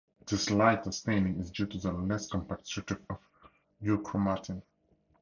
This lighter staining is due to the less compact structure of euchromatin.